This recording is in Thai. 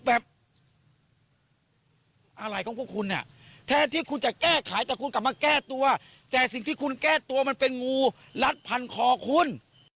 แบบอะไรของพวกคุณแทนที่คุณจะแก้ไขแต่คุณกลับมาแก้ตัวแต่สิ่งที่คุณแก้ตัวมันเป็นงูรัดพันคอคุณ